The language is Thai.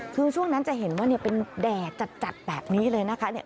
คือช่วงนั้นจะเห็นว่าเป็นแดดจัดแบบนี้เลยนะคะ